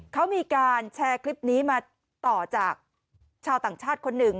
เขามีการแชร์คลิปนี้มาต่อจากชาวต่างชาติคนหนึ่ง